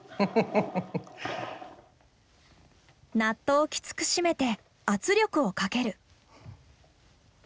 ナットをきつく締めて圧力をかける。